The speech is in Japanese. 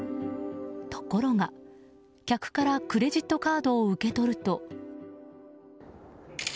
ところが、客からクレジットカードを受け取ると。